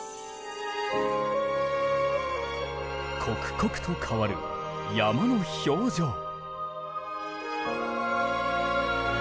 刻々と変わる山の表情。